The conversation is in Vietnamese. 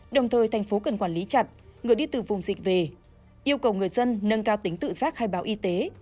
đồng thời thành phố cần quản lý chặt người đi từ vùng dịch về yêu cầu người dân nâng cao tính tự giác khai báo y tế